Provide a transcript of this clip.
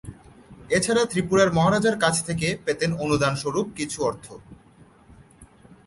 এছাড়া ত্রিপুরার মহারাজার কাছ থেকে পেতেন অনুদান স্বরূপ কিছু অর্থ।